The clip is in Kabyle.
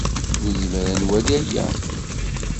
Nezmer ad nwali aya.